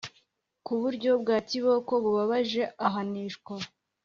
ku buryo bwa kiboko bubabaje ahanishwa